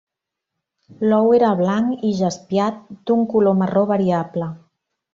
L'ou era blanc i jaspiat d'un color marró variable.